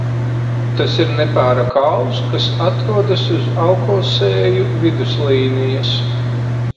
Tas ir nepāra kauls, kas atrodas uz auklsēju viduslīnijas.